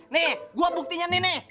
nih gua buktinya nih nih